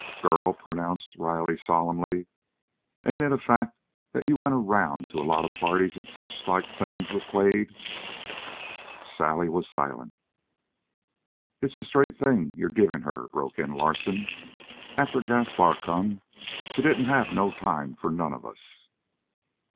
"Girl," pronounced Riley solemnly, "ain't it a fact that you went around to a lot of parties and suchlike things with Quade?" She was silent. "It's the straight thing you're giving her," broke in Larsen. "After Gaspar come, she didn't have no time for none of us!"